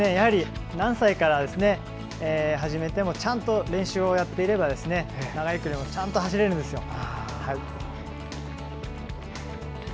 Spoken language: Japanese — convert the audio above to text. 何歳から始めてもちゃんと練習をやっていれば長い距離もちゃんと走れるんです。